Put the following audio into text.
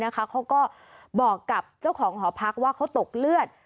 เขาก็บอกกับเจ้าของหอพักว่าเขาตกเลือด